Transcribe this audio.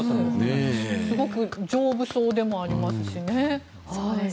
すごく丈夫そうでもありますしね。